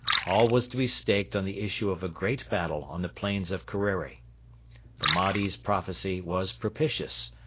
All was to be staked on the issue of a great battle on the plains of Kerreri. The Mahdi's prophecy was propitious.